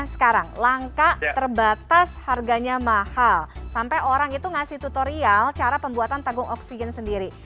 sekarang langka terbatas harganya mahal sampai orang itu ngasih tutorial cara pembuatan tabung oksigen sendiri